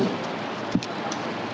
bisa kan bersama sama